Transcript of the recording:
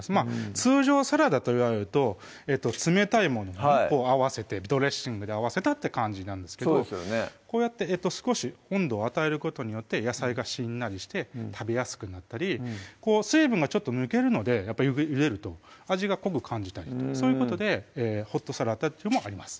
通常サラダといわれると冷たいものを合わせてドレッシングで合わせたって感じなんですけどこうやって少し温度を与えることによって野菜がしんなりして食べやすくなったり水分が抜けるのでやっぱりゆでると味が濃く感じたりとそういうことでホットサラダというのもあります